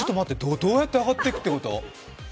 どうやって上がっていくっていうこと？